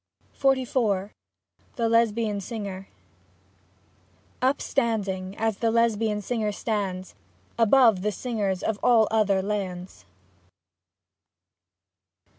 XLIV THE LESBIAN SINGER Upstanding, as the Lesbian singer stands Above the singers of all other lands.